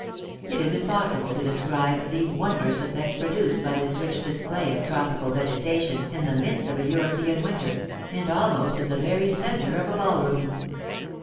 It is impossible to describe the wondrous effect produced by this rich display of tropical vegetation in the midst of a European winter, and almost in the very centre of a ballroom.